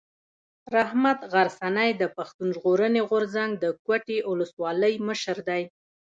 رحمت غرڅنی د پښتون ژغورني غورځنګ د کوټي اولسوالۍ مشر دی.